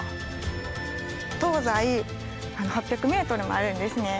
東西８００ｍもあるんですね。